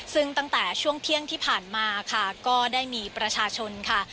ซึ่งตั้งแต่ช่วงเที่ยงที่ผ่านมาค่ะก็ได้มีประชาชนค่ะ